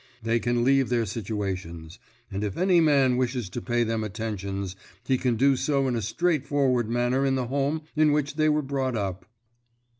They can leave their situations; and if any man wishes to pay them attentions he can do so in a straightforward manner in the home in which they were brought up."